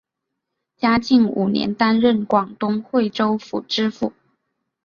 嘉靖五年担任广东惠州府知府。